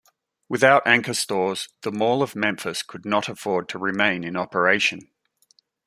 Without anchor stores, the Mall of Memphis could not afford to remain in operation.